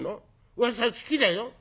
「わしゃ好きだよ」。